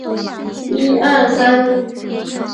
防卫大学校开放予外国学生进修研读。